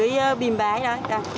đấy ở dưới bìm bái đó